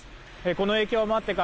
この影響もあってか